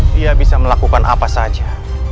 dia bisa melakukan apa saja